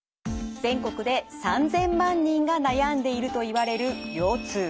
全国で３，０００万人が悩んでいるといわれる腰痛。